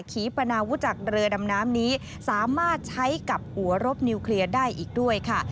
ขีปนาวุจักรเรือดำน้ำนี้สามารถใช้กับหัวรบนิวเคลียร์ได้อีกด้วยค่ะ